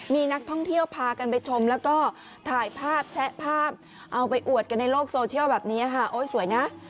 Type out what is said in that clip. มีนักท่องเที่ยวพากันไปชมแล้วก็ถ่ายภาพแชะภาพเอาไปอวดกันในโลกโซเชียลแบบนี้ค่ะโอ๊ยสวยนะ